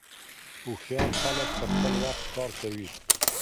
هوښیار خلګ په خپل وخت کار کوي.